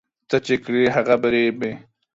څه چې کرې هغه په رېبې